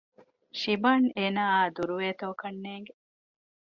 ޝިބާން އޭނާއާ ދުރުވޭތޯ ކަންނޭނގެ